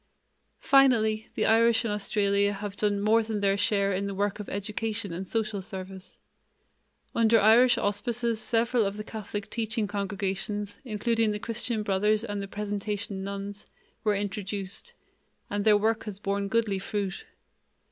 Finally, the Irish in Australia have done more than their share in the work of education and social service. Under Irish auspices several of the Catholic teaching congregations, including the Christian Brothers and the Presentation Nuns, were introduced, and their work has borne goodly fruit.